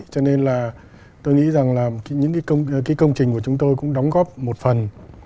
cho nên là tôi nghĩ rằng là những công trình của chúng tôi cũng đóng góp một phần